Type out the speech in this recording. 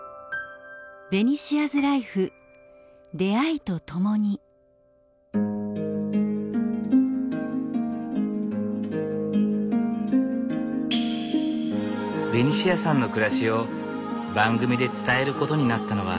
ベニシアさんの暮らしを番組で伝えることになったのは２００９年。